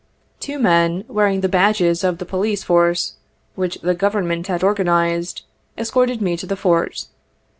Two men, wearing the badges of the police force which the Govern ment had organized, escorted me to the Fort.